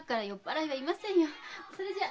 それじゃ。